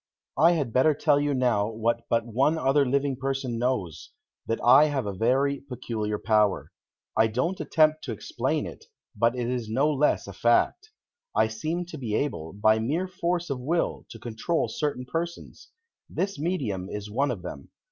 I had better tell you now what but one other living person knows that I have a very peculiar power. I don't attempt to explain it, but it is no less a fact. I seem to be able, by mere force of will, to control certain persons. This medium is one of them.